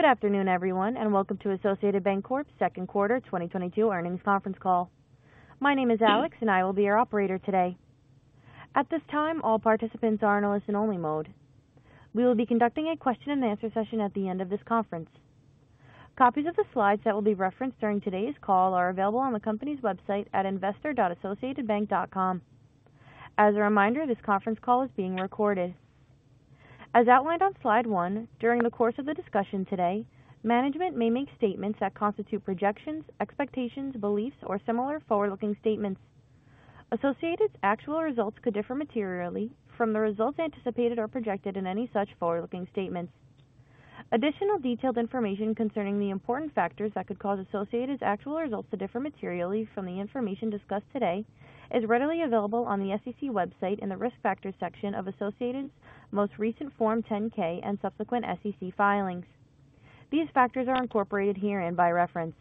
Good afternoon, everyone, and welcome to Associated Banc-Corp's second quarter 2022 earnings conference call. My name is Alex and I will be your operator today. At this time, all participants are in a listen-only mode. We will be conducting a question-and-answer session at the end of this conference. Copies of the slides that will be referenced during today's call are available on the company's website at investor.associatedbank.com. As a reminder, this conference call is being recorded. As outlined on Slide 1, during the course of the discussion today, management may make statements that constitute projections, expectations, beliefs, or similar forward-looking statements. Associated's actual results could differ materially from the results anticipated or projected in any such forward-looking statements. Additional detailed information concerning the important factors that could cause Associated's actual results to differ materially from the information discussed today is readily available on the SEC website in the Risk Factors section of Associated's most recent Form 10-K and subsequent SEC filings. These factors are incorporated herein by reference.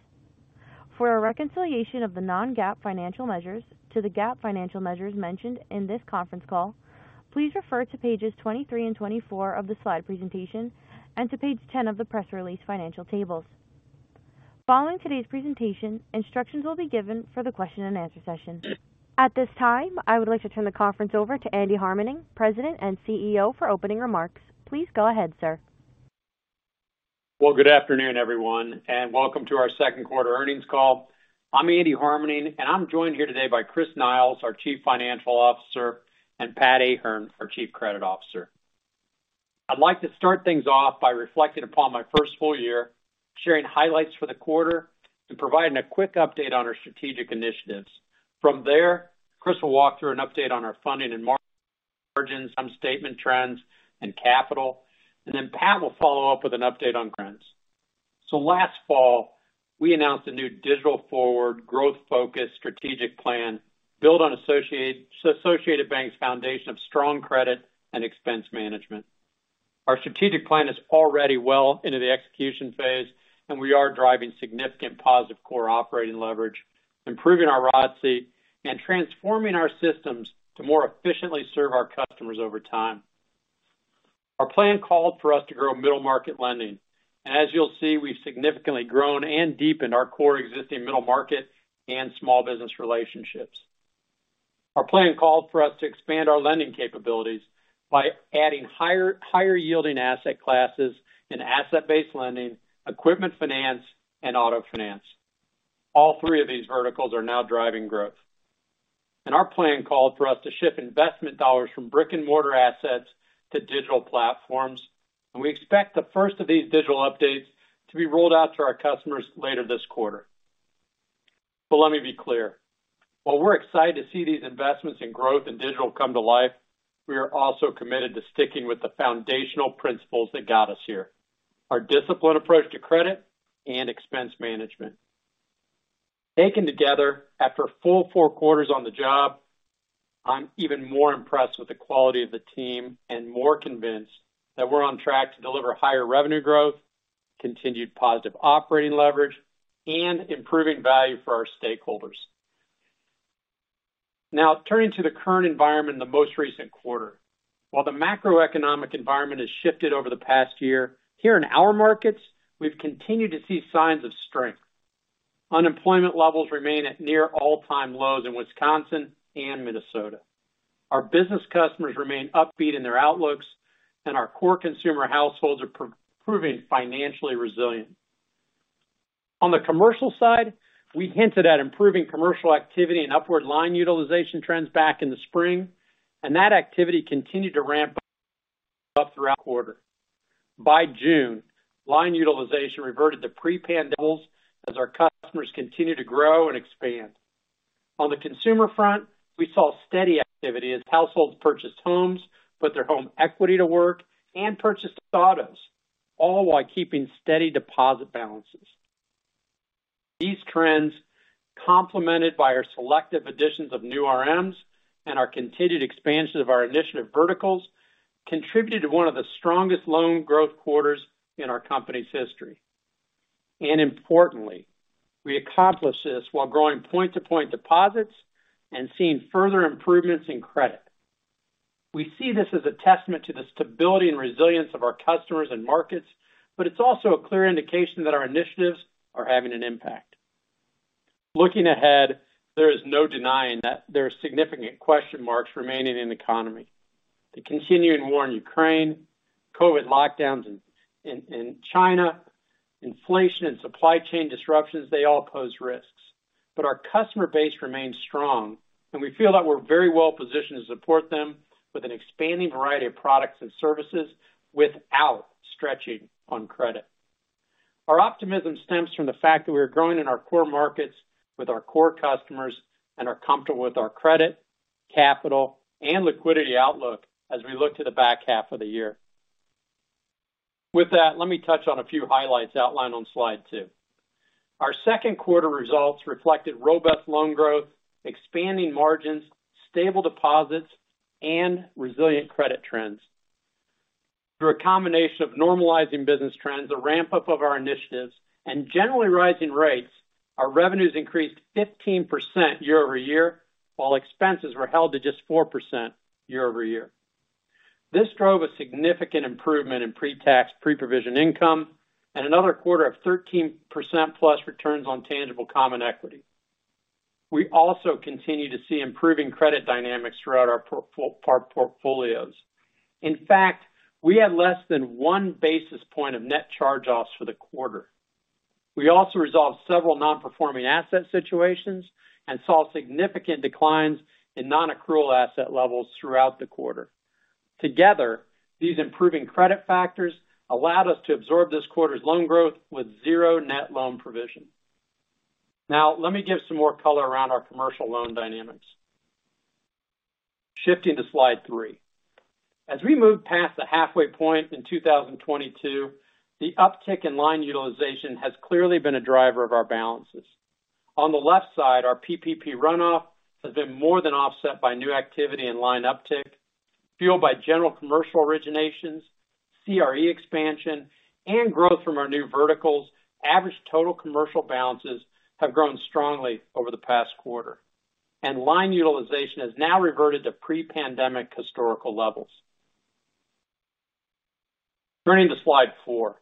For a reconciliation of the non-GAAP financial measures to the GAAP financial measures mentioned in this conference call, please refer to pages 23 and 24 of the slide presentation and to page 10 of the press release financial tables. Following today's presentation, instructions will be given for the question-and-answer session. At this time, I would like to turn the conference over to Andy Harmening, President and CEO, for opening remarks. Please go ahead, sir. Well, good afternoon, everyone, and welcome to our second quarter earnings call. I'm Andy Harmening, and I'm joined here today by Chris Niles, our Chief Financial Officer, and Pat Ahern, our Chief Credit Officer. I'd like to start things off by reflecting upon my first full year, sharing highlights for the quarter, and providing a quick update on our strategic initiatives. From there, Chris will walk through an update on our funding and margins, some statement trends and capital. Then Pat will follow up with an update on trends. Last fall, we announced a new digital-forward, growth-focused strategic plan built on Associated Bank's foundation of strong credit and expense management. Our strategic plan is already well into the execution phase, and we are driving significant positive core operating leverage, improving our ROTCE, and transforming our systems to more efficiently serve our customers over time. Our plan called for us to grow middle-market lending, and as you'll see, we've significantly grown and deepened our core existing middle market and small business relationships. Our plan called for us to expand our lending capabilities by adding higher yielding asset classes and asset-based lending, equipment finance and auto finance. All three of these verticals are now driving growth. Our plan called for us to shift investment dollars from brick-and-mortar assets to digital platforms. We expect the first of these digital updates to be rolled out to our customers later this quarter. Let me be clear. While we're excited to see these investments in growth and digital come to life, we are also committed to sticking with the foundational principles that got us here, our disciplined approach to credit and expense management. Taken together, after a full four quarters on the job, I'm even more impressed with the quality of the team and more convinced that we're on track to deliver higher revenue growth, continued positive operating leverage, and improving value for our stakeholders. Now turning to the current environment in the most recent quarter. While the macroeconomic environment has shifted over the past year, here in our markets, we've continued to see signs of strength. Unemployment levels remain at near all-time lows in Wisconsin and Minnesota. Our business customers remain upbeat in their outlooks, and our core consumer households are proving financially resilient. On the commercial side, we hinted at improving commercial activity and upward line utilization trends back in the spring, and that activity continued to ramp up throughout the quarter. By June, line utilization reverted to pre-pandemic levels as our customers continued to grow and expand. On the consumer front, we saw steady activity as households purchased homes, put their home equity to work, and purchased autos, all while keeping steady deposit balances. These trends, complemented by our selective additions of new RMs and our continued expansion of our initiative verticals, contributed to one of the strongest loan growth quarters in our company's history. Importantly, we accomplished this while growing point-to-point deposits and seeing further improvements in credit. We see this as a testament to the stability and resilience of our customers and markets, but it's also a clear indication that our initiatives are having an impact. Looking ahead, there is no denying that there are significant question marks remaining in the economy. The continuing war in Ukraine, COVID lockdowns in China, inflation and supply chain disruptions, they all pose risks. Our customer base remains strong, and we feel that we're very well positioned to support them with an expanding variety of products and services without stretching on credit. Our optimism stems from the fact that we are growing in our core markets with our core customers and are comfortable with our credit, capital, and liquidity outlook as we look to the back half of the year. With that, let me touch on a few highlights outlined on Slide 2. Our second quarter results reflected robust loan growth, expanding margins, stable deposits, and resilient credit trends. Through a combination of normalizing business trends, the ramp-up of our initiatives, and generally rising rates, our revenues increased 15% year-over-year, while expenses were held to just 4% year-over-year. This drove a significant improvement in pre-tax, pre-provision income and another quarter of 13%+ returns on tangible common equity. We also continue to see improving credit dynamics throughout our portfolios. In fact, we had less than 1 basis point of net charge-offs for the quarter. We also resolved several non-performing asset situations and saw significant declines in non-accrual asset levels throughout the quarter. Together, these improving credit factors allowed us to absorb this quarter's loan growth with zero net loan provision. Now, let me give some more color around our commercial loan dynamics. Shifting to Slide 3. As we move past the halfway point in 2022, the uptick in line utilization has clearly been a driver of our balances. On the left side, our PPP runoff has been more than offset by new activity and line uptick, fueled by general commercial originations, CRE expansion, and growth from our new verticals. Average total commercial balances have grown strongly over the past quarter, and line utilization has now reverted to pre-pandemic historical levels. Turning to Slide 4.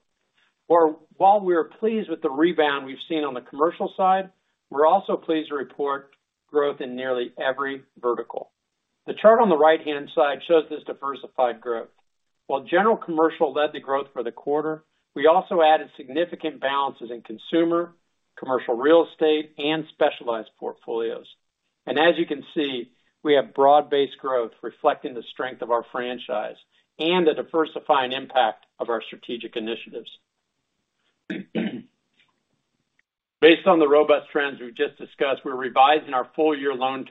While we're pleased with the rebound we've seen on the commercial side, we're also pleased to report growth in nearly every vertical. The chart on the right-hand side shows this diversified growth. While general commercial led the growth for the quarter, we also added significant balances in consumer, commercial real estate, and specialized portfolios. As you can see, we have broad-based growth reflecting the strength of our franchise and the diversifying impact of our strategic initiatives. Based on the robust trends we've just discussed, we're revising our full-year loan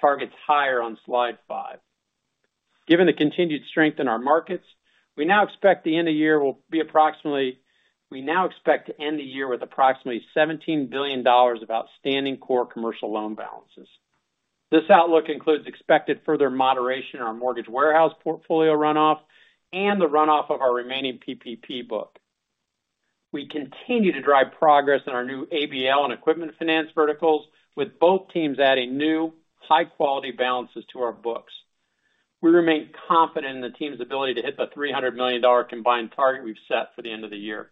targets higher on Slide 5. Given the continued strength in our markets, we now expect to end the year with approximately $17 billion of outstanding core commercial loan balances. This outlook includes expected further moderation in our mortgage warehouse portfolio runoff and the runoff of our remaining PPP book. We continue to drive progress in our new ABL and equipment finance verticals, with both teams adding new high-quality balances to our books. We remain confident in the team's ability to hit the $300 million combined target we've set for the end of the year.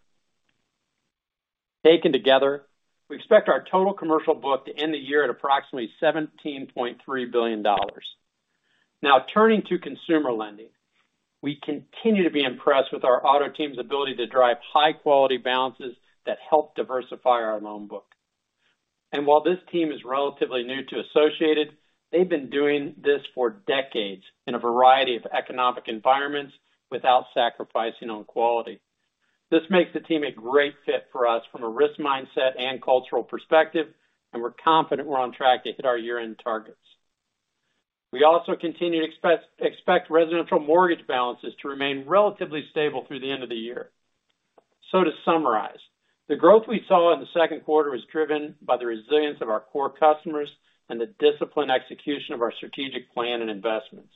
Taken together, we expect our total commercial book to end the year at approximately $17.3 billion. Now turning to consumer lending. We continue to be impressed with our auto team's ability to drive high-quality balances that help diversify our loan book. While this team is relatively new to Associated, they've been doing this for decades in a variety of economic environments without sacrificing on quality. This makes the team a great fit for us from a risk mindset and cultural perspective, and we're confident we're on track to hit our year-end targets. We also continue to expect residential mortgage balances to remain relatively stable through the end of the year. To summarize, the growth we saw in the second quarter was driven by the resilience of our core customers and the disciplined execution of our strategic plan and investments.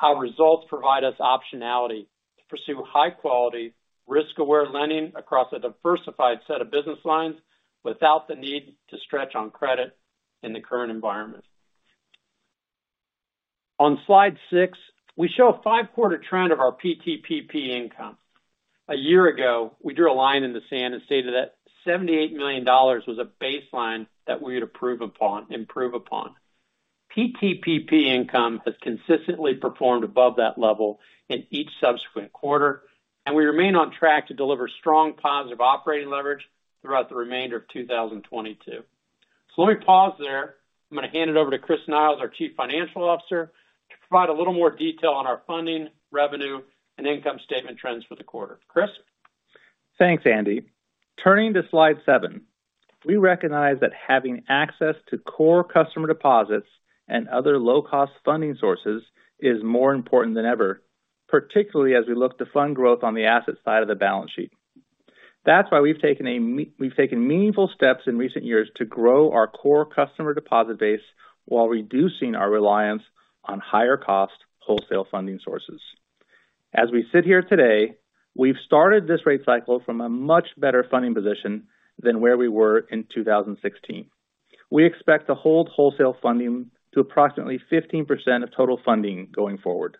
Our results provide us optionality to pursue high-quality, risk-aware lending across a diversified set of business lines without the need to stretch on credit in the current environment. On Slide 6, we show a five quarter trend of our PTPP income. A year ago, we drew a line in the sand and stated that $78 million was a baseline that we would improve upon. PTPP income has consistently performed above that level in each subsequent quarter, and we remain on track to deliver strong positive operating leverage throughout the remainder of 2022. Let me pause there. I'm going to hand it over to Chris Niles, our Chief Financial Officer, to provide a little more detail on our funding, revenue, and income statement trends for the quarter. Chris? Thanks, Andy. Turning to Slide 7. We recognize that having access to core customer deposits and other low-cost funding sources is more important than ever, particularly as we look to fund growth on the asset side of the balance sheet. That's why we've taken meaningful steps in recent years to grow our core customer deposit base while reducing our reliance on higher-cost wholesale funding sources. As we sit here today, we've started this rate cycle from a much better funding position than where we were in 2016. We expect to hold wholesale funding to approximately 15% of total funding going forward.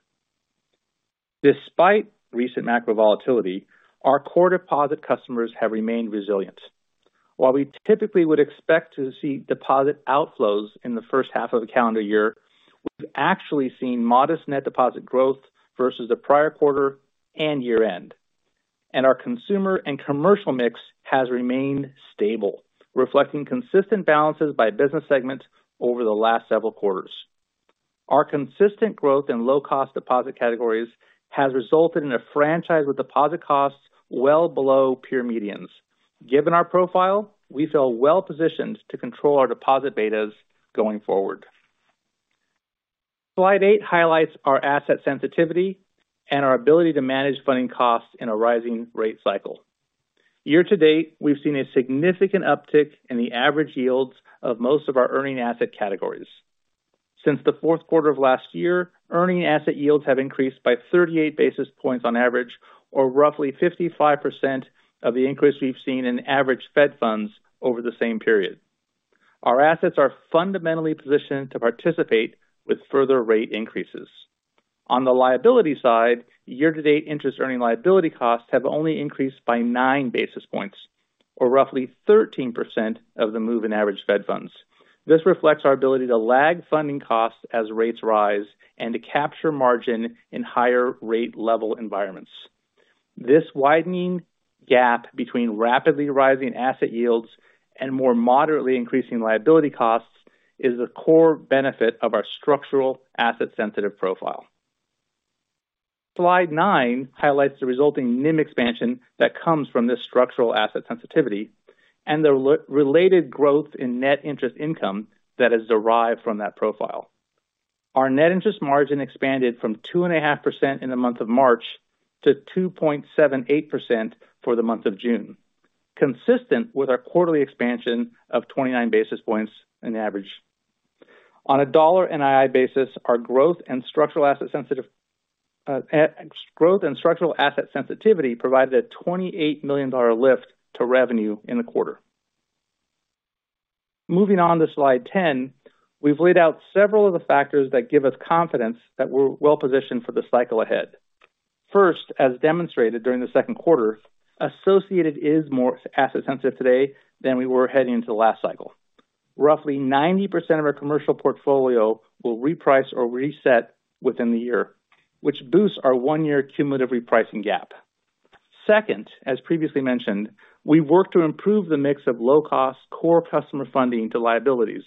Despite recent macro volatility, our core deposit customers have remained resilient. While we typically would expect to see deposit outflows in the first half of the calendar year, we've actually seen modest net deposit growth versus the prior quarter and year-end. Our consumer and commercial mix has remained stable, reflecting consistent balances by business segment over the last several quarters. Our consistent growth in low-cost deposit categories has resulted in a franchise with deposit costs well below peer medians. Given our profile, we feel well-positioned to control our deposit betas going forward. Slide 8 highlights our asset sensitivity and our ability to manage funding costs in a rising rate cycle. Year to date, we've seen a significant uptick in the average yields of most of our earning asset categories. Since the fourth quarter of last year, earning asset yields have increased by 38 basis points on average, or roughly 55% of the increase we've seen in average Fed funds over the same period. Our assets are fundamentally positioned to participate with further rate increases. On the liability side, year-to-date interest-earning liability costs have only increased by 9 basis points or roughly 13% of the move in average Fed funds. This reflects our ability to lag funding costs as rates rise and to capture margin in higher rate level environments. This widening gap between rapidly rising asset yields and more moderately increasing liability costs is the core benefit of our structural asset-sensitive profile. Slide 9 highlights the resulting NIM expansion that comes from this structural asset sensitivity and the related growth in net interest income that is derived from that profile. Our net interest margin expanded from 2.5% in the month of March to 2.78% for the month of June. Consistent with our quarterly expansion of 29 basis points in average. On a dollar NII basis, our growth and structural asset sensitivity provided a $28 million lift to revenue in the quarter. Moving on to Slide 10. We've laid out several of the factors that give us confidence that we're well-positioned for the cycle ahead. First, as demonstrated during the second quarter, Associated is more asset sensitive today than we were heading into the last cycle. Roughly 90% of our commercial portfolio will reprice or reset within the year, which boosts our one-year cumulative repricing gap. Second, as previously mentioned, we've worked to improve the mix of low-cost core customer funding to liabilities.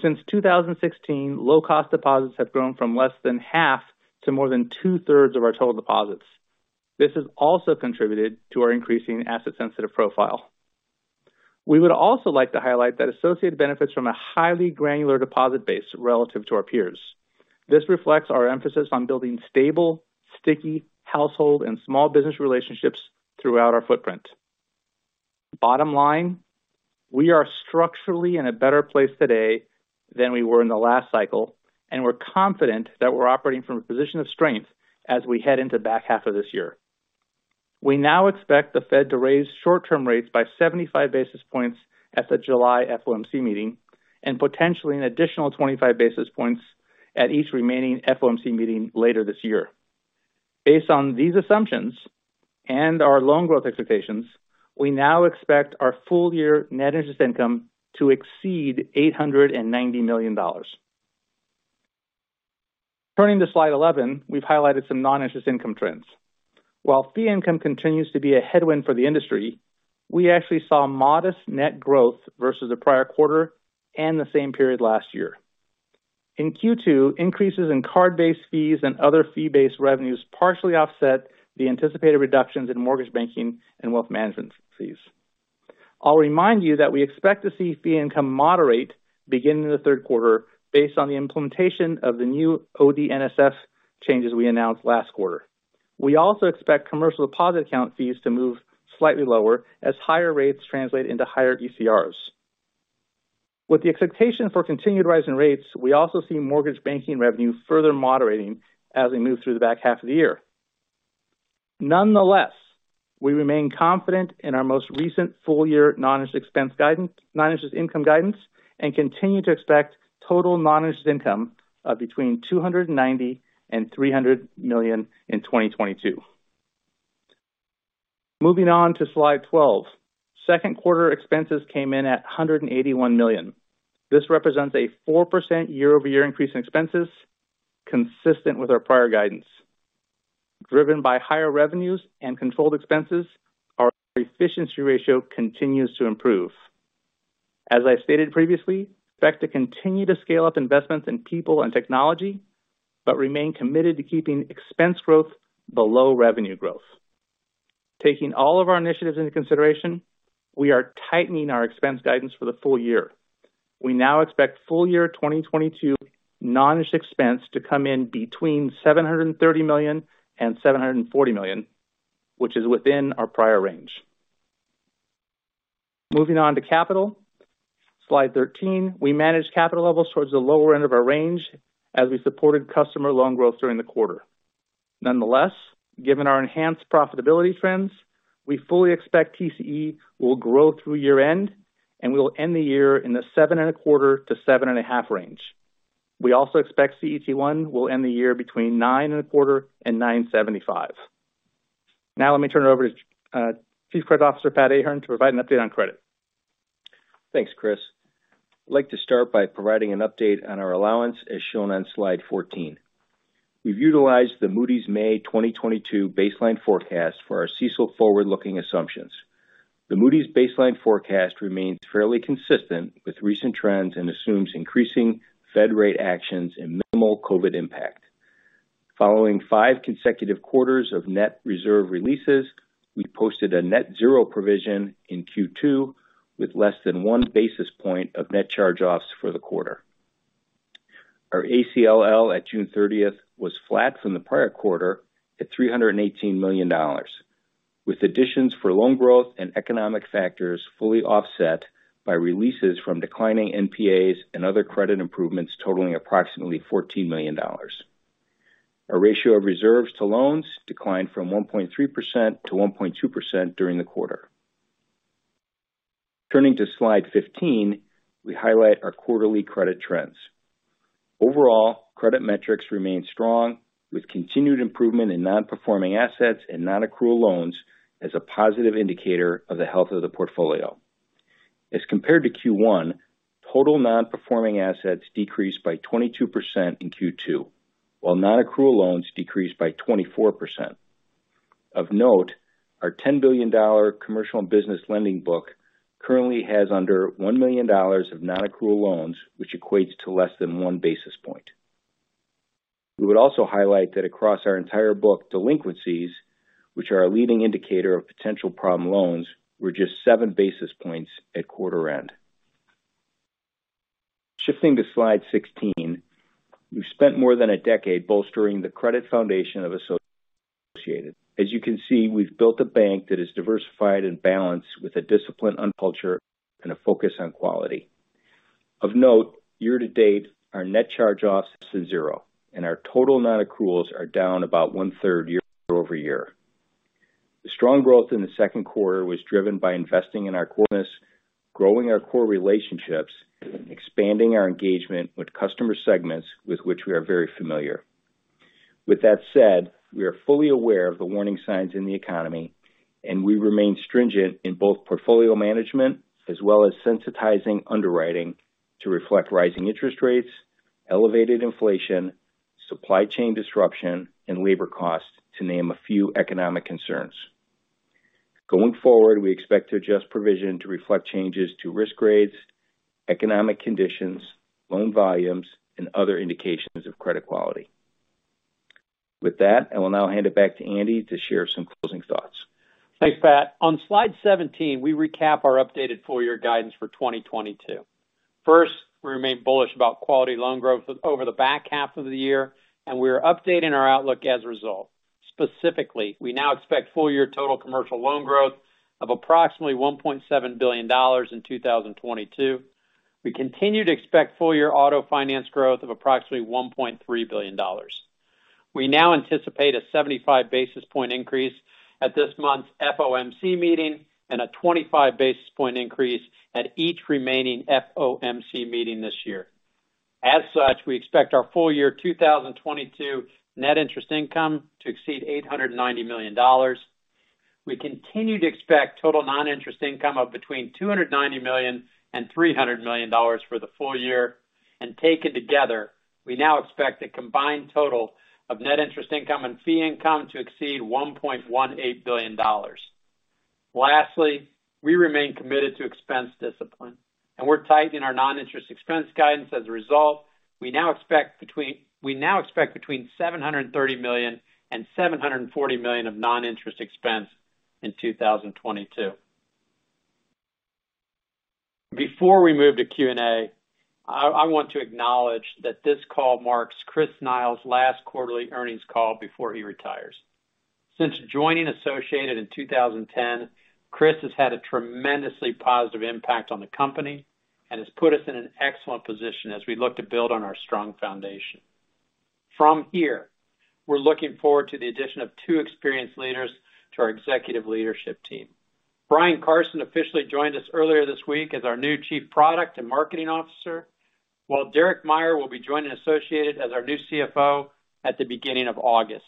Since 2016, low cost deposits have grown from less than half to more than two-thirds of our total deposits. This has also contributed to our increasing asset sensitive profile. We would also like to highlight that Associated benefits from a highly granular deposit base relative to our peers. This reflects our emphasis on building stable, sticky household and small business relationships throughout our footprint. Bottom line, we are structurally in a better place today than we were in the last cycle, and we're confident that we're operating from a position of strength as we head into the back half of this year. We now expect the Fed to raise short-term rates by 75 basis points at the July FOMC meeting and potentially an additional 25 basis points at each remaining FOMC meeting later this year. Based on these assumptions and our loan growth expectations, we now expect our full year net interest income to exceed $890 million. Turning to Slide 11, we've highlighted some non-interest income trends. While fee income continues to be a headwind for the industry, we actually saw modest net growth versus the prior quarter and the same period last year. In Q2, increases in card-based fees and other fee-based revenues partially offset the anticipated reductions in mortgage banking and wealth management fees. I'll remind you that we expect to see fee income moderate beginning in the third quarter based on the implementation of the new OD/NSF changes we announced last quarter. We also expect commercial deposit account fees to move slightly lower as higher rates translate into higher ECRs. With the expectation for continued rise in rates, we also see mortgage banking revenue further moderating as we move through the back half of the year. Nonetheless, we remain confident in our most recent full year non-interest income guidance and continue to expect total non-interest income of between $290 million and $300 million in 2022. Moving on to Slide 12. Second quarter expenses came in at $181 million. This represents a 4% year-over-year increase in expenses consistent with our prior guidance. Driven by higher revenues and controlled expenses, our efficiency ratio continues to improve. As I stated previously, expect to continue to scale up investments in people and technology, but remain committed to keeping expense growth below revenue growth. Taking all of our initiatives into consideration, we are tightening our expense guidance for the full year. We now expect full year 2022 non-interest expense to come in between $730 million and $740 million, which is within our prior range. Moving on to capital. Slide 13. We manage capital levels towards the lower end of our range as we supported customer loan growth during the quarter. Nonetheless, given our enhanced profitability trends, we fully expect TCE will grow through year-end, and we will end the year in the 7.25-7.5 range. We also expect CET1 will end the year between 9.25 and 9.75. Now let me turn it over to Chief Credit Officer Pat Ahern to provide an update on credit. Thanks, Chris. I'd like to start by providing an update on our allowance as shown on Slide 14. We've utilized the Moody's May 2022 baseline forecast for our CECL forward-looking assumptions. The Moody's baseline forecast remains fairly consistent with recent trends and assumes increasing Fed rate actions and minimal COVID impact. Following 5 consecutive quarters of net reserve releases, we posted a net zero provision in Q2 with less than 1 basis point of net charge-offs for the quarter. Our ACLL at June 30 was flat from the prior quarter at $318 million, with additions for loan growth and economic factors fully offset by releases from declining NPAs and other credit improvements totaling approximately $14 million. Our ratio of reserves to loans declined from 1.3% to 1.2% during the quarter. Turning to Slide 15, we highlight our quarterly credit trends. Overall, credit metrics remain strong with continued improvement in non-performing assets and non-accrual loans as a positive indicator of the health of the portfolio. As compared to Q1, total non-performing assets decreased by 22% in Q2, while non-accrual loans decreased by 24%. Of note, our $10 billion commercial and business lending book currently has under $1 million of non-accrual loans, which equates to less than 1 basis point. We would also highlight that across our entire book delinquencies, which are a leading indicator of potential problem loans, were just 7 basis points at quarter end. Shifting to Slide 16. We've spent more than a decade bolstering the credit foundation of Associated. As you can see, we've built a bank that is diversified and balanced with a disciplined culture and a focus on quality. Of note, year-to-date, our net charge-offs is zero, and our total non-accruals are down about one-third year-over-year. The strong growth in the second quarter was driven by investing in our core business, growing our core relationships, expanding our engagement with customer segments with which we are very familiar. With that said, we are fully aware of the warning signs in the economy, and we remain stringent in both portfolio management as well as sensitizing underwriting to reflect rising interest rates, elevated inflation, supply chain disruption, and labor costs to name a few economic concerns. Going forward, we expect to adjust provision to reflect changes to risk grades, economic conditions, loan volumes, and other indications of credit quality. With that, I will now hand it back to Andy to share some closing thoughts. Thanks, Pat. On Slide 17, we recap our updated full-year guidance for 2022. First, we remain bullish about quality loan growth over the back half of the year, and we are updating our outlook as a result. Specifically, we now expect full-year total commercial loan growth of approximately $1.7 billion in 2022. We continue to expect full-year auto finance growth of approximately $1.3 billion. We now anticipate a 75 basis point increase at this month's FOMC meeting and a 25 basis point increase at each remaining FOMC meeting this year. As such, we expect our full-year 2022 net interest income to exceed $890 million. We continue to expect total non-interest income of between $290 million and $300 million for the full year. Taken together, we now expect a combined total of net interest income and fee income to exceed $1.18 billion. Lastly, we remain committed to expense discipline, and we're tightening our non-interest expense guidance as a result. We now expect between $730 million and $740 million of non-interest expense in 2022. Before we move to Q&A, I want to acknowledge that this call marks Chris Niles's last quarterly earnings call before he retires. Since joining Associated in 2010, Chris has had a tremendously positive impact on the company and has put us in an excellent position as we look to build on our strong foundation. From here, we're looking forward to the addition of two experienced leaders to our executive leadership team. Bryan Carson officially joined us earlier this week as our new Chief Product and Marketing Officer, while Derek Meyer will be joining Associated as our new CFO at the beginning of August.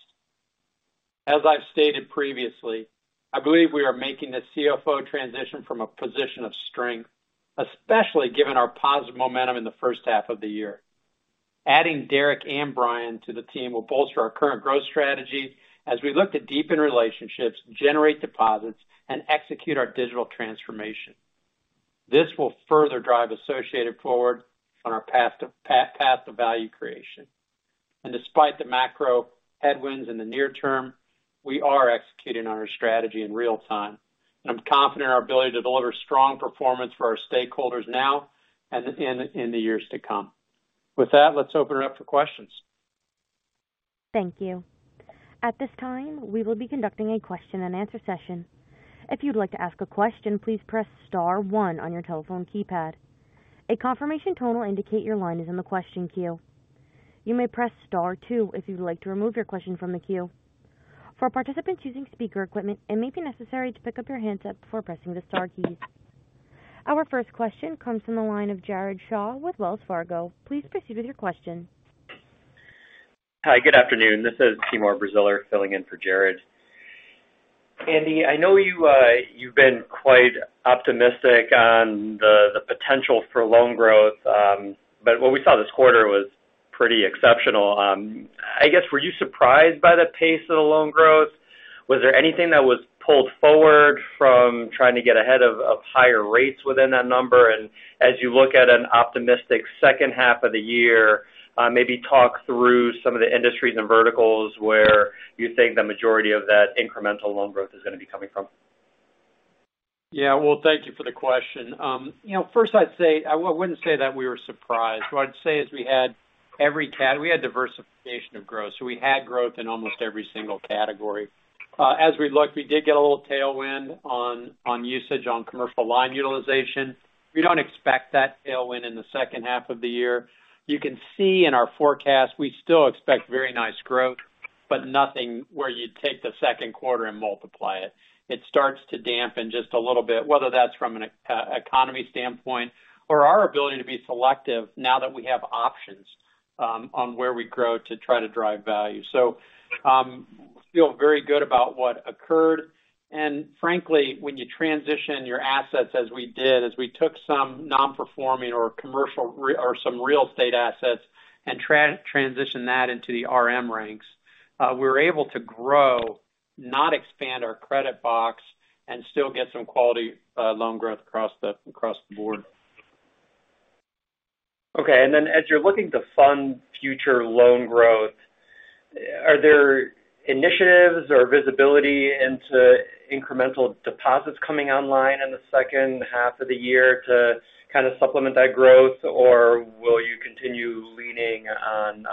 As I've stated previously, I believe we are making the CFO transition from a position of strength, especially given our positive momentum in the first half of the year. Adding Derek and Bryan to the team will bolster our current growth strategy as we look to deepen relationships, generate deposits, and execute our digital transformation. This will further drive Associated forward on our path to value creation. Despite the macro headwinds in the near term, we are executing on our strategy in real time, and I'm confident in our ability to deliver strong performance for our stakeholders now and in the years to come. With that, let's open it up for questions. Thank you. At this time, we will be conducting a question-and-answer session. If you'd like to ask a question, please press star one on your telephone keypad. A confirmation tone will indicate your line is in the question queue. You may press star two if you'd like to remove your question from the queue. For participants using speaker equipment, it may be necessary to pick up your handset before pressing the star keys. Our first question comes from the line of Jared Shaw with Wells Fargo. Please proceed with your question. Hi, good afternoon. This is Timur Braziler filling in for Jared. Andy, I know you've been quite optimistic on the potential for loan growth, but what we saw this quarter was pretty exceptional. I guess, were you surprised by the pace of the loan growth? Was there anything that was pulled forward from trying to get ahead of higher rates within that number? As you look at an optimistic second half of the year, maybe talk through some of the industries and verticals where you think the majority of that incremental loan growth is gonna be coming from. Yeah. Well, thank you for the question. You know, first, I'd say I wouldn't say that we were surprised. What I'd say is we had diversification of growth, so we had growth in almost every single category. As we looked, we did get a little tailwind on usage on commercial line utilization. We don't expect that tailwind in the second half of the year. You can see in our forecast, we still expect very nice growth, but nothing where you'd take the second quarter and multiply it. It starts to dampen just a little bit, whether that's from an economy standpoint or our ability to be selective now that we have options on where we grow to try to drive value. Feel very good about what occurred. Frankly, when you transition your assets as we did, as we took some non-performing or commercial or some real estate assets and transition that into the RM ranks, we were able to grow, not expand our credit box and still get some quality loan growth across the board. As you're looking to fund future loan growth, are there initiatives or visibility into incremental deposits coming online in the second half of the year to kinda supplement that growth? Or will you continue leaning on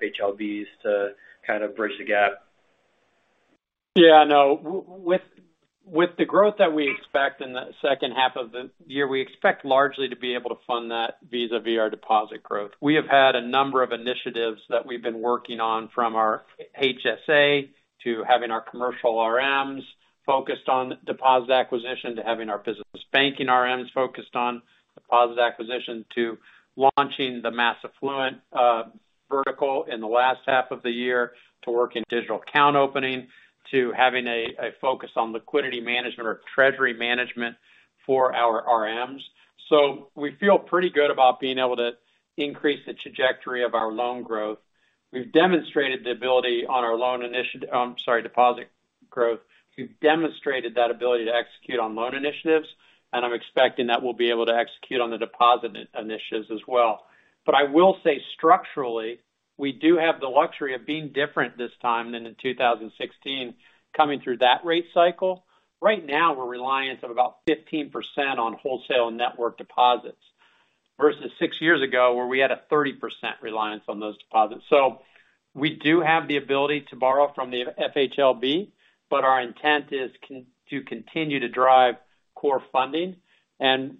FHLBs to kind of bridge the gap? Yeah, no. With the growth that we expect in the second half of the year, we expect largely to be able to fund that vis-a-vis our deposit growth. We have had a number of initiatives that we've been working on from our HSA to having our commercial RMs focused on deposit acquisition, to having our business banking RMs focused on deposit acquisition, to launching the mass affluent vertical in the last half of the year to work in digital account opening, to having a focus on liquidity management or treasury management for our RMs. We feel pretty good about being able to increase the trajectory of our loan growth. We've demonstrated the ability on our deposit growth. We've demonstrated that ability to execute on loan initiatives, and I'm expecting that we'll be able to execute on the deposit initiatives as well. I will say structurally, we do have the luxury of being different this time than in 2016 coming through that rate cycle. Right now, we're reliant on about 15% on wholesale network deposits versus six years ago where we had a 30% reliance on those deposits. We do have the ability to borrow from the FHLB, but our intent is to continue to drive core funding.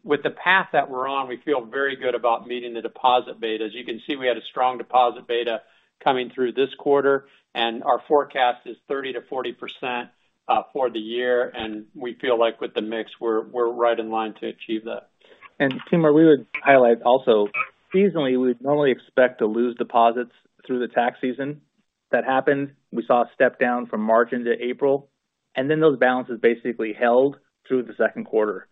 With the path that we're on, we feel very good about meeting the deposit betas. You can see we had a strong deposit beta coming through this quarter, and our forecast is 30%-40% for the year. We feel like with the mix, we're right in line to achieve that. Timur, we would highlight also, seasonally, we'd normally expect to lose deposits through the tax season. That happened. We saw a step down from March into April, and then those balances basically held through the second quarter.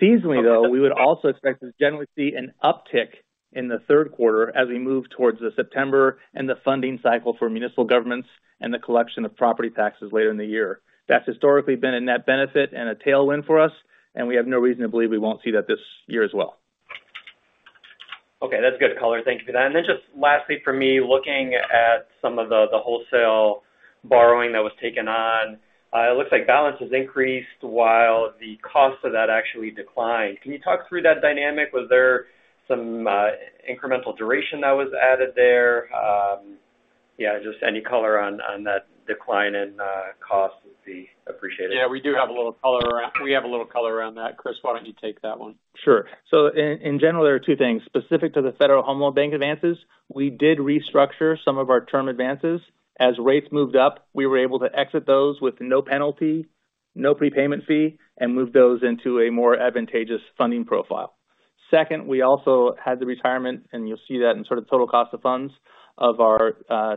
Seasonally, though, we would also expect to generally see an uptick in the third quarter as we move towards the September and the funding cycle for municipal governments and the collection of property taxes later in the year. That's historically been a net benefit and a tailwind for us, and we have no reason to believe we won't see that this year as well. Okay, that's good color. Thank you for that. Then just lastly for me, looking at some of the wholesale borrowing that was taken on, it looks like balance has increased while the cost of that actually declined. Can you talk through that dynamic? Was there some incremental duration that was added there? Yeah, just any color on that decline in cost would be appreciated. Yeah, we do have a little color around that. Chris, why don't you take that one? Sure. In general, there are two things. Specific to the Federal Home Loan Bank advances, we did restructure some of our term advances. As rates moved up, we were able to exit those with no penalty, no prepayment fee, and move those into a more advantageous funding profile. Second, we also had the retirement, and you'll see that in sort of total cost of funds of our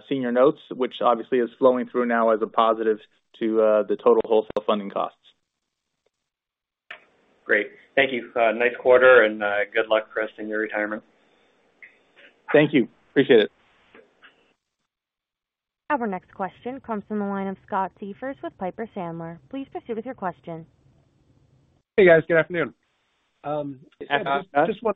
senior notes, which obviously is flowing through now as a positive to the total wholesale funding costs. Great. Thank you. Nice quarter, and good luck, Chris, in your retirement. Thank you. Appreciate it. Our next question comes from the line of Scott Siefers with Piper Sandler. Please proceed with your question. Hey, guys. Good afternoon. I just want-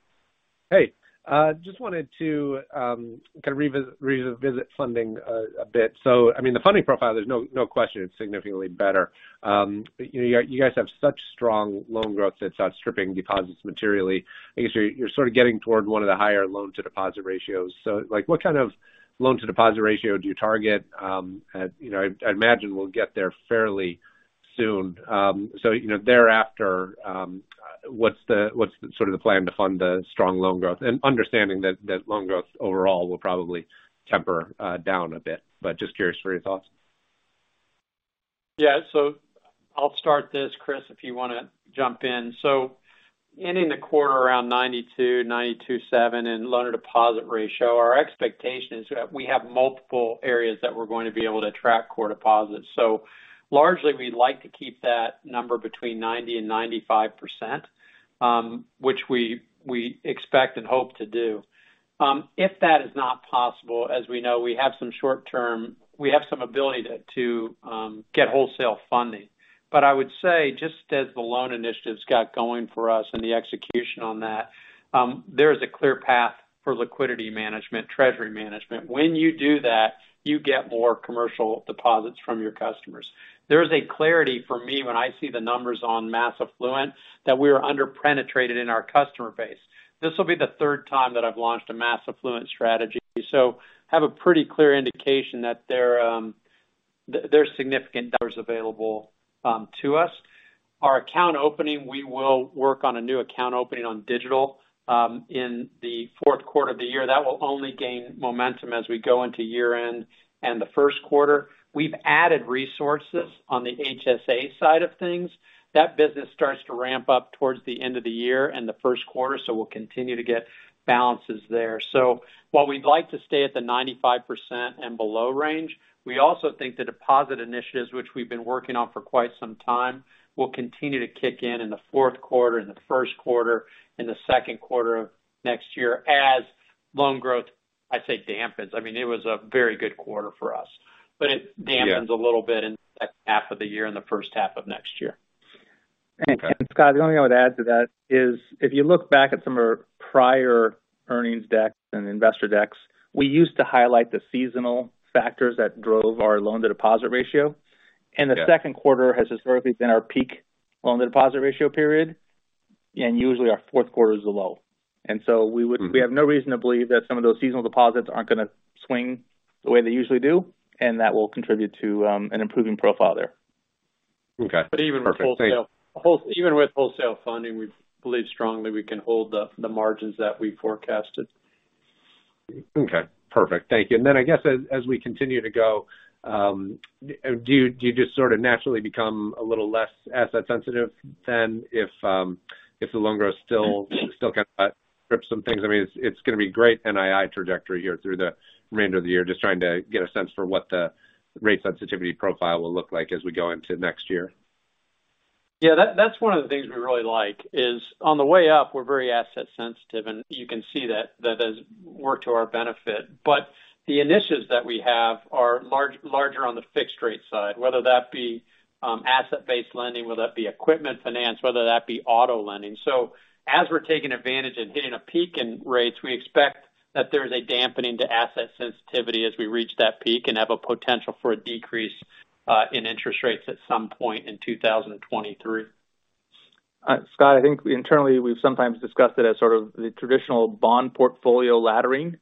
Hey, Scott. Hey. I just wanted to kind of revisit funding a bit. I mean, the funding profile, there's no question it's significantly better. You guys have such strong loan growth that's outstripping deposits materially. I guess you're sort of getting toward one of the higher loan-to-deposit ratios. Like, what kind of loan-to-deposit ratio do you target? You know, I'd imagine we'll get there fairly soon. So, you know, thereafter, what's sort of the plan to fund the strong loan growth? Understanding that loan growth overall will probably temper down a bit, but just curious for your thoughts. Yeah. I'll start this, Chris, if you wanna jump in. Ending the quarter around 92.7 in loan-to-deposit ratio, our expectation is we have multiple areas that we're going to be able to attract core deposits. Largely, we'd like to keep that number between 90% and 95%, which we expect and hope to do. If that is not possible, as we know, we have some short-term ability to get wholesale funding. I would say, just as the loan initiatives got going for us and the execution on that, there is a clear path for liquidity management, treasury management. When you do that, you get more commercial deposits from your customers. There is a clarity for me when I see the numbers on mass affluent that we are under-penetrated in our customer base. This will be the third time that I've launched a mass affluent strategy. Have a pretty clear indication that there's significant dollars available, to us. Our account opening, we will work on a new account opening on digital, in the fourth quarter of the year. That will only gain momentum as we go into year-end and the first quarter. We've added resources on the HSA side of things. That business starts to ramp up towards the end of the year and the first quarter, so we'll continue to get balances there. While we'd like to stay at the 95% and below range, we also think the deposit initiatives, which we've been working on for quite some time, will continue to kick in in the fourth quarter, in the first quarter, in the second quarter of next year as loan growth, I'd say, dampens. I mean, it was a very good quarter for us, but it dampens. Yeah. A little bit in the second half of the year and the first half of next year. Okay. Scott, the only thing I would add to that is if you look back at some of our prior earnings decks and investor decks, we used to highlight the seasonal factors that drove our loan to deposit ratio. Yeah. The second quarter has historically been our peak loan to deposit ratio period, and usually our fourth quarter is low. Mm-hmm. We have no reason to believe that some of those seasonal deposits aren't gonna swing the way they usually do, and that will contribute to an improving profile there. Okay. Perfect. Thank you. Even with wholesale funding, we believe strongly we can hold the margins that we forecasted. Okay. Perfect. Thank you. Then I guess as we continue to go, do you just sort of naturally become a little less asset sensitive than if the loan growth still kind of trips some things? I mean, it's gonna be great NII trajectory here through the remainder of the year. Just trying to get a sense for what the rate sensitivity profile will look like as we go into next year. Yeah, that's one of the things we really like, is on the way up, we're very asset sensitive, and you can see that has worked to our benefit. But the initiatives that we have are larger on the fixed rate side, whether that be asset-based lending, whether that be equipment finance, whether that be auto lending. As we're taking advantage and hitting a peak in rates, we expect that there is a dampening to asset sensitivity as we reach that peak and have a potential for a decrease in interest rates at some point in 2023. Scott, I think internally we've sometimes discussed it as sort of the traditional bond portfolio laddering.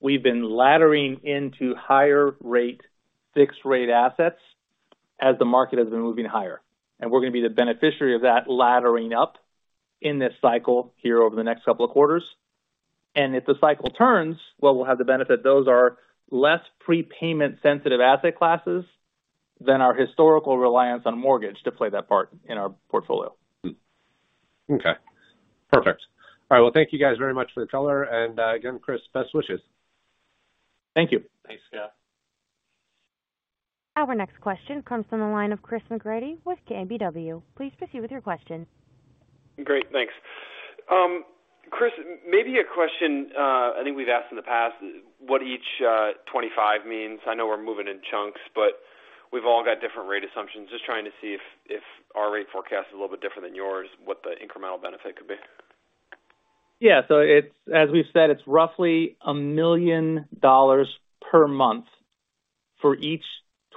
We've been laddering into higher rate fixed rate assets as the market has been moving higher, and we're gonna be the beneficiary of that laddering up in this cycle here over the next couple of quarters. If the cycle turns, well, we'll have the benefit. Those are less prepayment-sensitive asset classes than our historical reliance on mortgage to play that part in our portfolio. Okay. Perfect. All right, well, thank you guys very much for the color. Again, Chris, best wishes. Thank you. Thanks, Scott. Our next question comes from the line of Christopher McGratty with KBW. Please proceed with your question. Great. Thanks. Chris, maybe a question, I think we've asked in the past what each 25 means. I know we're moving in chunks, but we've all got different rate assumptions. Just trying to see if our rate forecast is a little bit different than yours, what the incremental benefit could be. Yeah. It's as we've said, it's roughly $1 million per month for each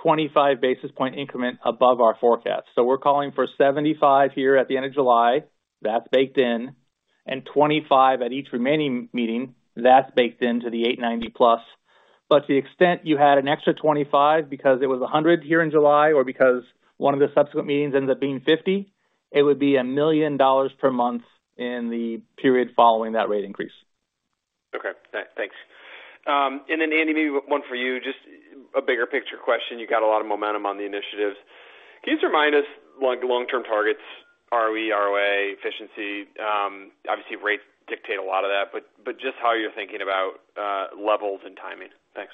25 basis point increment above our forecast. We're calling for 75 here at the end of July. That's baked in, 25 at each remaining meeting, that's baked into the 8.90 plus. To the extent you had an extra 25 because it was 100 here in July or because one of the subsequent meetings ends up being 50, it would be $1 million per month in the period following that rate increase. Okay. Thanks. Andy, maybe one for you, just a bigger picture question. You got a lot of momentum on the initiatives. Can you just remind us, like, long-term targets, ROE, ROA, efficiency? Obviously rates dictate a lot of that, but just how you're thinking about levels and timing. Thanks.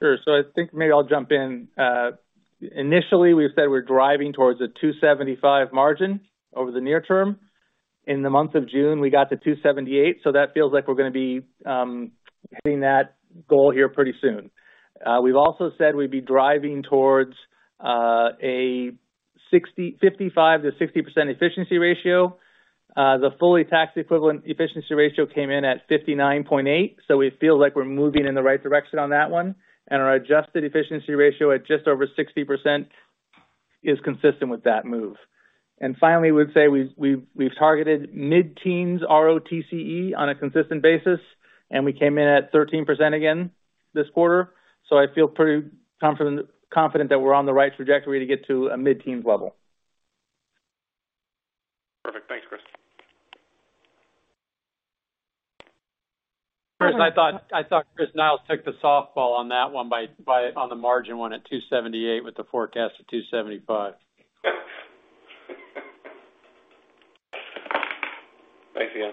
Sure. I think maybe I'll jump in. Initially we've said we're driving towards a 2.75 margin over the near term. In the month of June, we got to 2.78, so that feels like we're gonna be hitting that goal here pretty soon. We've also said we'd be driving towards a 55%-60% efficiency ratio. The fully tax equivalent efficiency ratio came in at 59.8%, so we feel like we're moving in the right direction on that one. Our adjusted efficiency ratio at just over 60% is consistent with that move. Finally, we'd say we've targeted mid-teens ROTCE on a consistent basis, and we came in at 13% again this quarter. I feel pretty confident that we're on the right trajectory to get to a mid-teens level. Perfect. Thanks, Chris. Chris, I thought Chris Niles took the softball on that one by owning the margin at 2.78% with the forecast at 2.75%. Thanks again.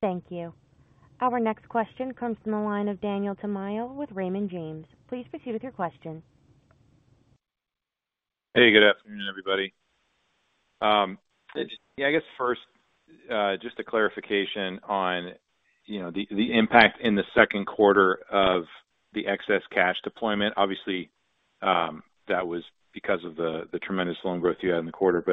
Thank you. Our next question comes from the line of Daniel Tamayo with Raymond James. Please proceed with your question. Hey, good afternoon, everybody. I guess first, just a clarification on the impact in the second quarter of the excess cash deployment. Obviously, that was because of the tremendous loan growth you had in the quarter.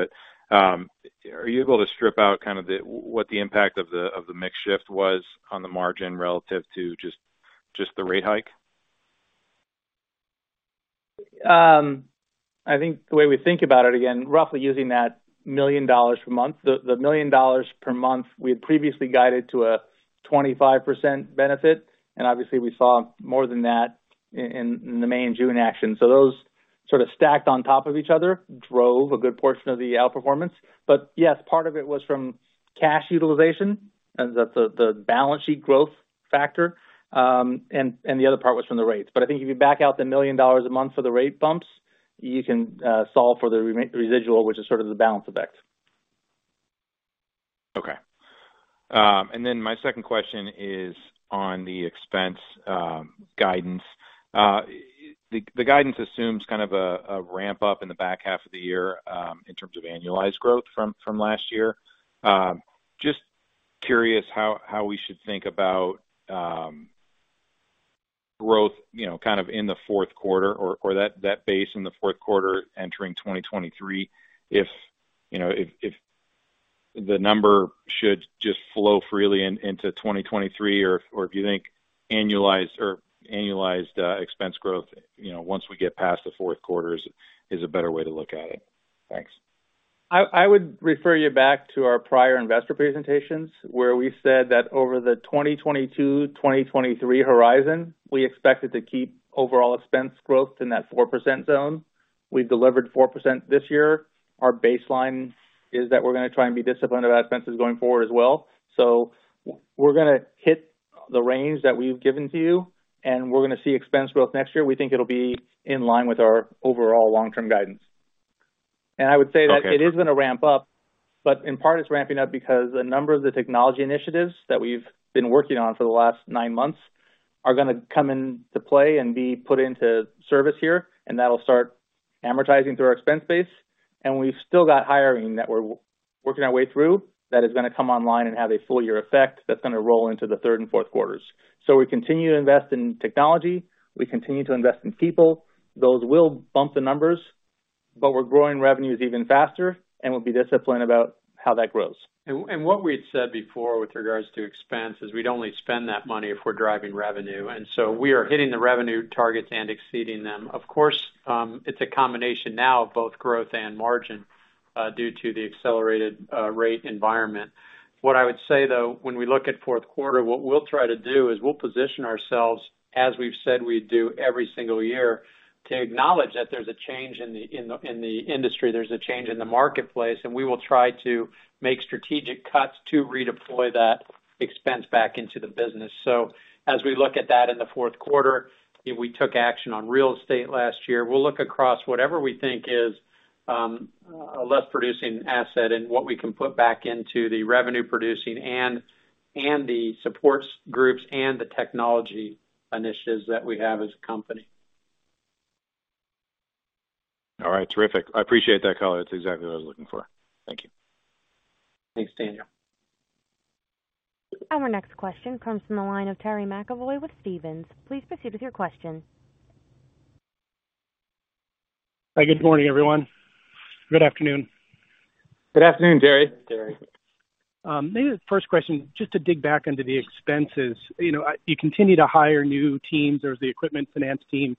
Are you able to strip out what the impact of the mix shift was on the margin relative to just the rate hike? I think the way we think about it, again, roughly using that $1 million per month. The $1 million per month we had previously guided to a 25% benefit, and obviously we saw more than that in the May and June action. Those sort of stacked on top of each other drove a good portion of the outperformance. Yes, part of it was from cash utilization and the balance sheet growth factor, and the other part was from the rates. I think if you back out the $1 million a month for the rate bumps, you can solve for the residual, which is sort of the balance effect. Okay. Then my second question is on the expense guidance. The guidance assumes kind of a ramp up in the back half of the year in terms of annualized growth from last year. Just curious how we should think about growth, you know, kind of in the fourth quarter or that base in the fourth quarter entering 2023, if you know, if the number should just flow freely into 2023 or if you think annualized expense growth, you know, once we get past the fourth quarter is a better way to look at it. Thanks. I would refer you back to our prior investor presentations where we said that over the 2022-2023 horizon, we expected to keep overall expense growth in that 4% zone. We've delivered 4% this year. Our baseline is that we're gonna try and be disciplined about expenses going forward as well. We're gonna hit the range that we've given to you, and we're gonna see expense growth next year. We think it'll be in line with our overall long-term guidance. I would say that. Okay. It is gonna ramp up, but in part it's ramping up because a number of the technology initiatives that we've been working on for the last nine months are gonna come into play and be put into service here, and that'll start amortizing through our expense base. We've still got hiring that we're working our way through that is gonna come online and have a full year effect that's gonna roll into the third and fourth quarters. We continue to invest in technology. We continue to invest in people. Those will bump the numbers, but we're growing revenues even faster, and we'll be disciplined about how that grows. What we had said before with regards to expense is we'd only spend that money if we're driving revenue, and so we are hitting the revenue targets and exceeding them. Of course, it's a combination now of both growth and margin due to the accelerated rate environment. What I would say, though, when we look at fourth quarter, what we'll try to do is we'll position ourselves, as we've said we do every single year, to acknowledge that there's a change in the industry, there's a change in the marketplace, and we will try to make strategic cuts to redeploy that expense back into the business. As we look at that in the fourth quarter, if we took action on real estate last year, we'll look across whatever we think is a less producing asset and what we can put back into the revenue producing and the supports groups and the technology initiatives that we have as a company. All right. Terrific. I appreciate that color. It's exactly what I was looking for. Thank you. Thanks, Daniel. Our next question comes from the line of Terry McEvoy with Stephens. Please proceed with your question. Hi, good morning, everyone. Good afternoon. Good afternoon, Terry. Terry. Maybe the first question, just to dig back into the expenses. You know, you continue to hire new teams. There was the equipment finance team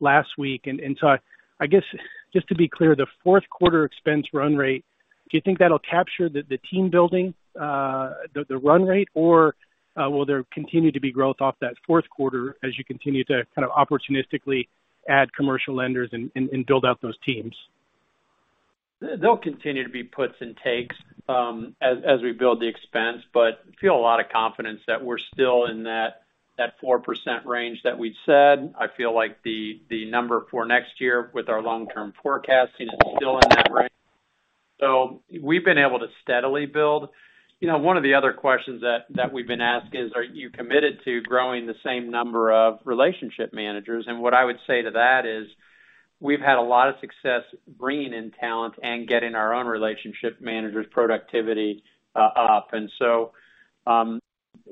last week. I guess just to be clear, the fourth quarter expense run rate, do you think that'll capture the team building, the run rate? Will there continue to be growth off that fourth quarter as you continue to kind of opportunistically add commercial lenders and build out those teams? They'll continue to be puts and takes, as we build the expense. Feel a lot of confidence that we're still in that 4% range that we'd said. I feel like the number for next year with our long-term forecasting is still in that range. We've been able to steadily build. You know, one of the other questions that we've been asked is, are you committed to growing the same number of relationship managers? What I would say to that is, we've had a lot of success bringing in talent and getting our own relationship managers' productivity up.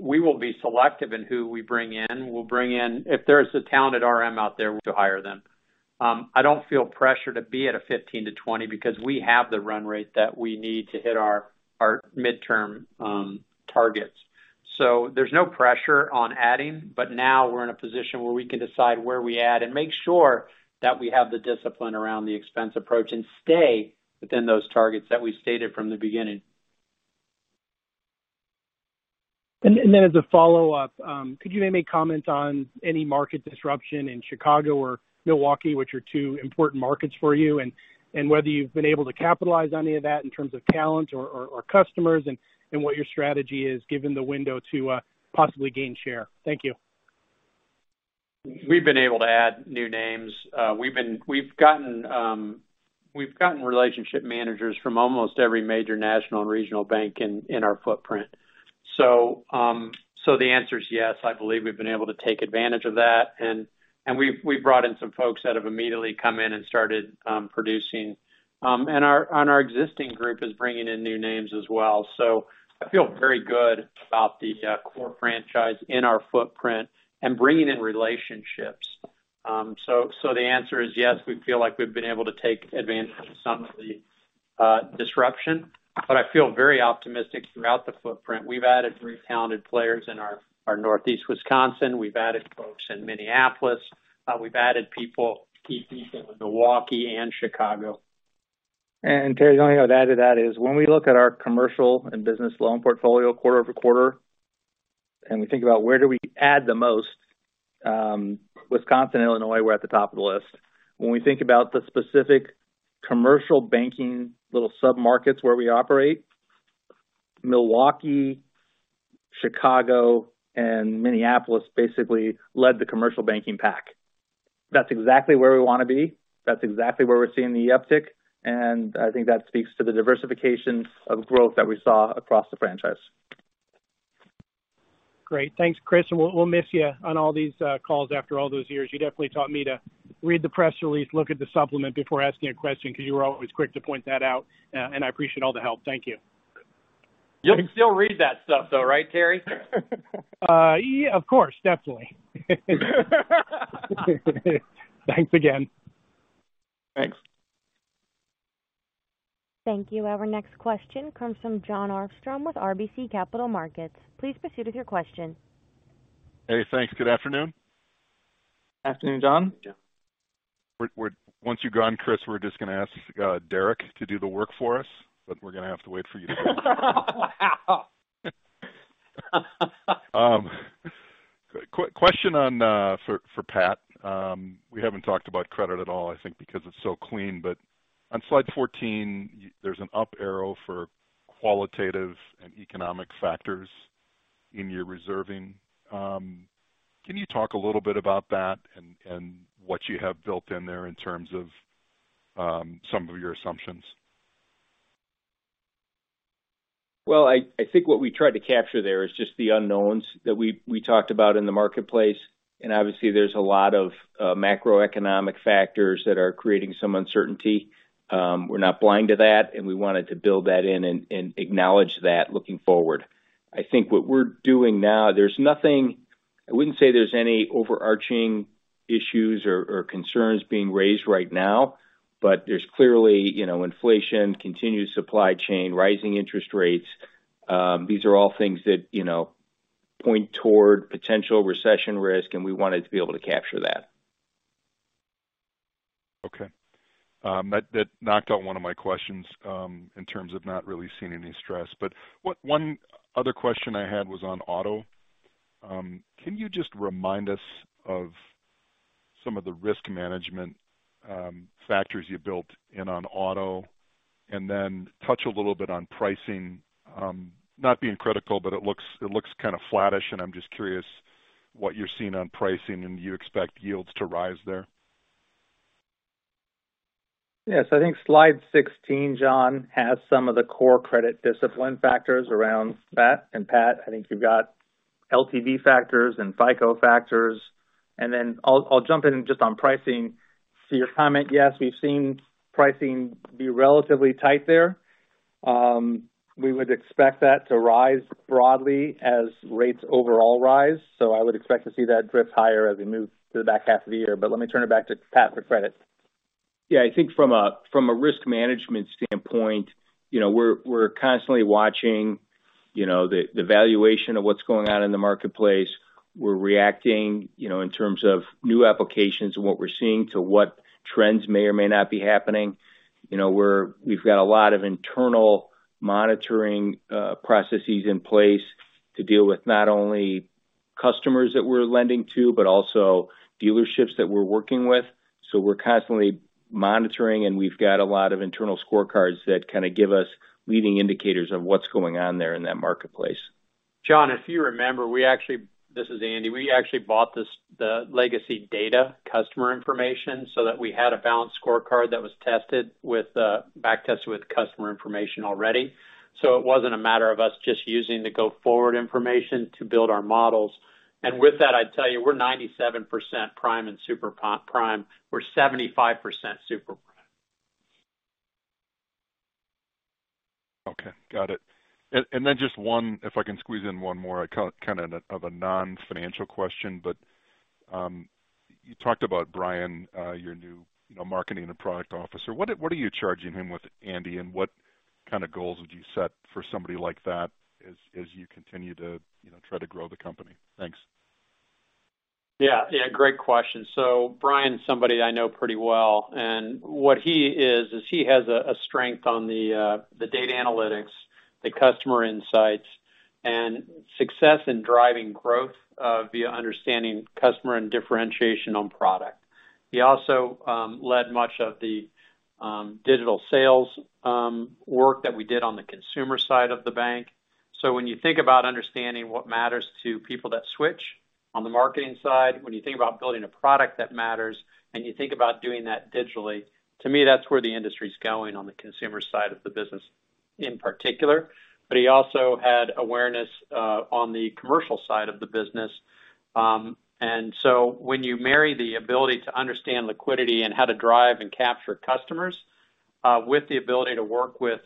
We will be selective in who we bring in. We'll bring in if there's a talented RM out there, we'll hire them. I don't feel pressure to be at a 15%-20% because we have the run rate that we need to hit our midterm targets. There's no pressure on adding, but now we're in a position where we can decide where we add and make sure that we have the discipline around the expense approach and stay within those targets that we've stated from the beginning. as a follow-up, could you maybe comment on any market disruption in Chicago or Milwaukee, which are two important markets for you, and whether you've been able to capitalize on any of that in terms of talent or customers and what your strategy is given the window to possibly gain share? Thank you. We've been able to add new names. We've gotten relationship managers from almost every major national and regional bank in our footprint. The answer is yes, I believe we've been able to take advantage of that. We've brought in some folks that have immediately come in and started producing. Our existing group is bringing in new names as well. I feel very good about the core franchise in our footprint and bringing in relationships. The answer is yes, we feel like we've been able to take advantage of some of the disruption, but I feel very optimistic throughout the footprint. We've added three talented players in our Northeast Wisconsin. We've added folks in Minneapolis. We've added people to keep pace with Milwaukee and Chicago. Terry, the only thing I'd add to that is when we look at our commercial and business loan portfolio quarter-over-quarter, and we think about where do we add the most, Wisconsin and Illinois were at the top of the list. When we think about the specific commercial banking little sub-markets where we operate, Milwaukee, Chicago, and Minneapolis basically led the commercial banking pack. That's exactly where we wanna be. That's exactly where we're seeing the uptick, and I think that speaks to the diversification of growth that we saw across the franchise. Great. Thanks, Chris. We'll miss you on all these calls after all those years. You definitely taught me to read the press release, look at the supplement before asking a question because you were always quick to point that out. I appreciate all the help. Thank you. You can still read that stuff, though, right, Terry? Yeah, of course. Definitely. Thanks again. Thanks. Thank you. Our next question comes from Jon Arfstrom with RBC Capital Markets. Please proceed with your question. Hey, thanks. Good afternoon. Afternoon, Jon. Afternoon, Jon. We're once you're gone, Chris, we're just gonna ask Derek to do the work for us, but we're gonna have to wait for you to leave. Wow. Quick question for Pat. We haven't talked about credit at all, I think because it's so clean. On Slide 14, there's an up arrow for qualitative and economic factors in your reserving. Can you talk a little bit about that and what you have built in there in terms of some of your assumptions? I think what we tried to capture there is just the unknowns that we talked about in the marketplace. Obviously, there's a lot of macroeconomic factors that are creating some uncertainty. We're not blind to that, and we wanted to build that in and acknowledge that looking forward. I think what we're doing now, there's nothing. I wouldn't say there's any overarching issues or concerns being raised right now, but there's clearly, you know, inflation, continued supply chain, rising interest rates. These are all things that, you know, point toward potential recession risk, and we wanted to be able to capture that. Okay. That knocked out one of my questions in terms of not really seeing any stress. One other question I had was on auto. Can you just remind us of some of the risk management factors you built in on auto? Then touch a little bit on pricing. Not being critical, but it looks kind of flattish, and I'm just curious what you're seeing on pricing and you expect yields to rise there. Yes. I think Slide 16, Jon, has some of the core credit discipline factors around that. Pat, I think you've got LTV factors and FICO factors. I'll jump in just on pricing. To your comment, yes, we've seen pricing be relatively tight there. We would expect that to rise broadly as rates overall rise. I would expect to see that drift higher as we move to the back half of the year. Let me turn it back to Pat for credit. Yeah. I think from a risk management standpoint, you know, we're constantly watching, you know, the valuation of what's going on in the marketplace. We're reacting, you know, in terms of new applications and what we're seeing to what trends may or may not be happening. You know, we've got a lot of internal monitoring processes in place to deal with not only customers that we're lending to, but also dealerships that we're working with. We're constantly monitoring, and we've got a lot of internal scorecards that kinda give us leading indicators of what's going on there in that marketplace. Jon, if you remember, this is Andy. We actually bought this, the legacy data customer information so that we had a balanced scorecard that was back-tested with customer information already. It wasn't a matter of us just using the go-forward information to build our models. With that, I'd tell you we're 97% prime and super prime. We're 75% super prime. Okay. Got it. Then just one, if I can squeeze in one more, kind of a non-financial question. You talked about Bryan, your new, you know, marketing and product officer. What are you charging him with, Andy? And what kind of goals would you set for somebody like that as you continue to, you know, try to grow the company? Thanks. Yeah. Yeah, great question. Bryan is somebody I know pretty well. And what he is he has a strength on the data analytics, the customer insights, and success in driving growth via understanding customer and differentiation on product. He also led much of the digital sales work that we did on the consumer side of the bank. When you think about understanding what matters to people that switch on the marketing side, when you think about building a product that matters, and you think about doing that digitally, to me, that's where the industry's going on the consumer side of the business in particular. He also had awareness on the commercial side of the business. when you marry the ability to understand liquidity and how to drive and capture customers with the ability to work with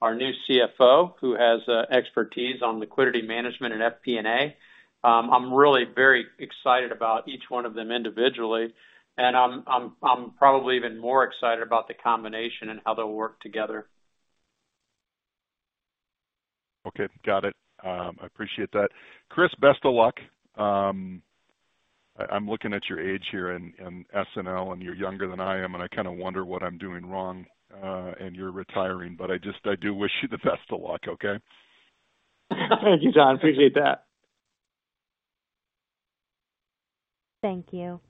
our new CFO, who has expertise on liquidity management and FP&A, I'm really very excited about each one of them individually. I'm probably even more excited about the combination and how they'll work together. Okay. Got it. I appreciate that. Chris, best of luck. I'm looking at your age here in SNL, and you're younger than I am, and I kinda wonder what I'm doing wrong, and you're retiring. I do wish you the best of luck, okay? Thank you, Jon. Appreciate that. Thank you.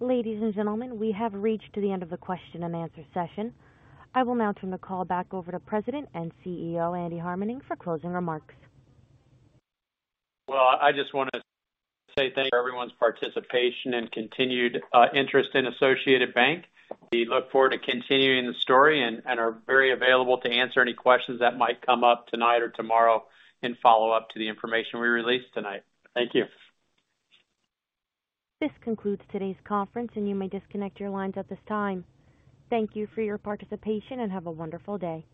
Ladies and gentlemen, we have reached to the end of the question and answer session. I will now turn the call back over to President and CEO, Andy Harmening, for closing remarks. Well, I just wanna say thank you for everyone's participation and continued interest in Associated Bank. We look forward to continuing the story and are very available to answer any questions that might come up tonight or tomorrow and follow up to the information we released tonight. Thank you. This concludes today's conference, and you may disconnect your lines at this time. Thank you for your participation, and have a wonderful day.